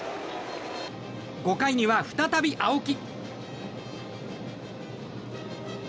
５回には、再び青木。